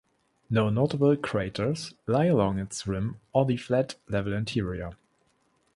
No notable craters lie along its rim or the flat, level interior.